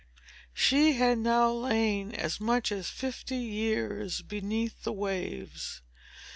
She had now lain as much as fifty years beneath the waves.